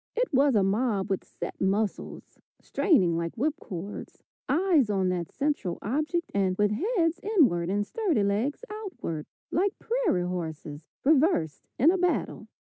It was a mob with set muscles, straining like whip cords, eyes on that central object and with heads inward and sturdy legs outward, like prairie horses reversed in a battle.